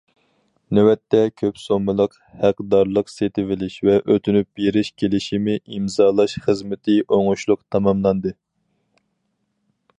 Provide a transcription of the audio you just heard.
نۆۋەتتە، كۆپ سوممىلىق ھەقدارلىق سېتىۋېلىش ۋە ئۆتۈنۈپ بېرىش كېلىشىمى ئىمزالاش خىزمىتى ئوڭۇشلۇق تاماملاندى.